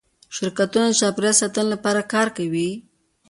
شرکتونه د چاپیریال ساتنې لپاره کار کوي؟